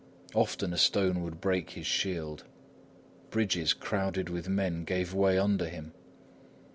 Often a stone would break his shield. Bridges crowded with men gave way under him.